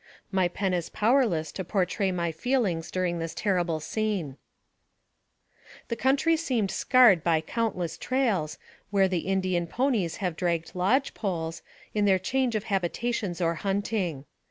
My pen is pow erless to portray my feelings during this terrible scene. AMONG. THE SIOUX INDIANS. 97 This country seemed scarred by countless trails, where the Indian ponies have dragged lodge poles, fn their change of habitations or hunting.